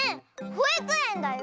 「ほいくえん」だよ。